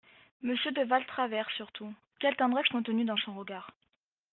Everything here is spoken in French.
Monsieur de Valtravers surtout … quelle tendresse contenue dans son regard !